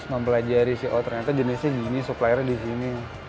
mempelajari si oh ternyata jenisnya gini suppliernya di sini